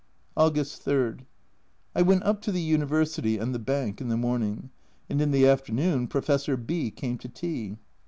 August 3. I went up to the University and the Bank in the morning, and in the afternoon Professor B came to tea.